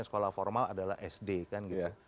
sekolah formal adalah sd kan gitu